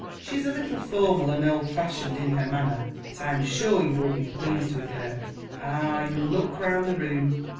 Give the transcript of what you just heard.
She is a little formal and old fashioned in her manner but I am sure you will be pleased with her. Ah! you look round the room!